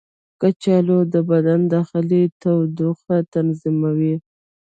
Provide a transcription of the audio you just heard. کچالو د بدن داخلي تودوخه تنظیموي.